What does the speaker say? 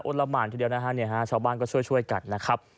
ละหมานทีเดียวนะฮะเนี่ยฮะชาวบ้านก็ช่วยกันนะครับ